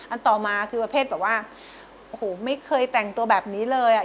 อันต่อมาคือประเภทแบบว่าไม่เคยแต่งตัวแบบนี้เลย